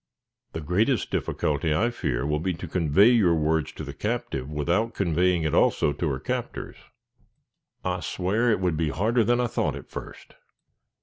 "The greatest difficulty, I fear, will be to convey your words to the captive, without conveying it also to her captors." "I swow, it would be harder than I thought at first."